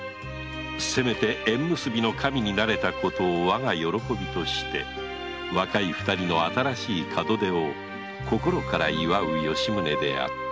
縁結びの神になれたことをわが喜びとして若い二人の新しい門出を心から祝う吉宗であった